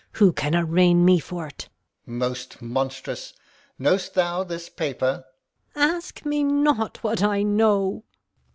Who can arraign me for't? Alb. Most monstrous! Know'st thou this paper? Gon. Ask me not what I know.